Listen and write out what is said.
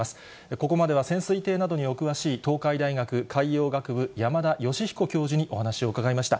ここまでは潜水艇などにお詳しい、東海大学海洋学部、山田吉彦教授にお話を伺いました。